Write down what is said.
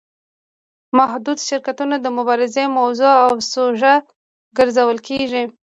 محدود شکایتونه د مبارزې موضوع او سوژه ګرځول کیږي.